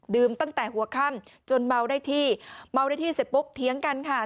ตั้งแต่หัวค่ำจนเมาได้ที่เมาได้ที่เสร็จปุ๊บเถียงกันค่ะ